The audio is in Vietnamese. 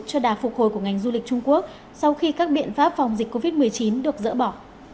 cho đà phục hồi của ngành du lịch trung quốc sau khi các biện pháp phòng dịch covid một mươi chín được dỡ bỏ